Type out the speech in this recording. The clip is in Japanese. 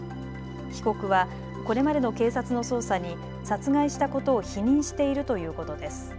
被告はこれまでの警察の捜査に殺害したことを否認しているということです。